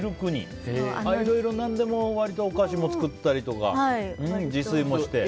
いろいろ何でもお菓子も作ったりとか自炊もして。